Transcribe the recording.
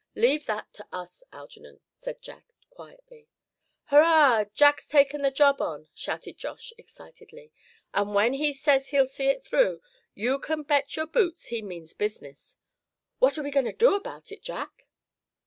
"Leave that to us, Algernon," said Jack, quietly. "Hurrah! Jack's taken the job on!" shouted Josh, excitedly, "and when he says he'll see it through, you can bet your boots he means business. What are we going to do about it, Jack?"